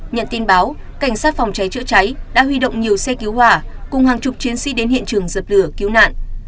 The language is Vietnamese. nhận tin báo cảnh sát phòng cháy chữa cháy đã huy động nhiều xe cứu hỏa cùng hàng chục chiến sĩ đến hiện trường dập lửa cứu nạn